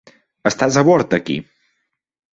Estàs a bord aquí.